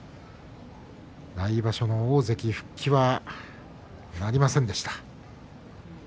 来場所の大関復帰はなりませんでした。